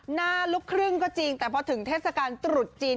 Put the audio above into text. หน้าลูกครึ่งก็จริงแต่พอถึงเทศกาลตรุษจีน